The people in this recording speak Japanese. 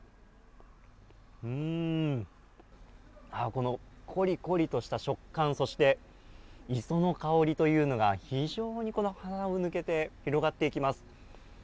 この、こりこりとした食感そして磯の香りというのが、非常に鼻に抜けて広がっていきます。